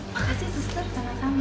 makasih sister sama sama